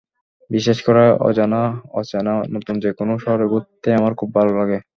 বিশেষ করে অজানা-অচেনা নতুন যেকোনো শহরে ঘুরতে আমার খুব ভালো লাগে।